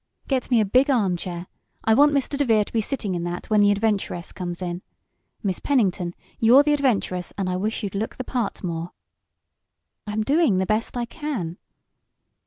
"Get me a big armchair. I want Mr. DeVere to be sitting in that when the adventuress comes in. Miss Pennington, you're the adventuress, and I wish you'd look the part more." "I'm doing the best I can."